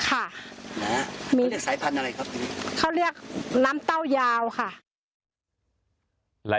เขาเรียกสายพันธุ์อะไรครับที่นี่เขาเรียกน้ำเต้ายาวค่ะ